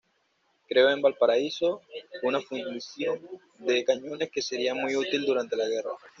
Creó en Valparaíso una fundición de cañones que sería muy útil durante la guerra.